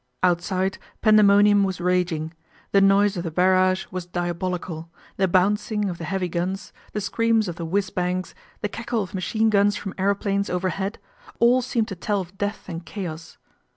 Outside pandemonium was raging, the noise of the barrage was diabolical, the " bouncing " of the heavy guns, the screams of the " whiz bangs," the cackle of machine guns from aeroplanes over head ; all seemed to tell of death and chaos.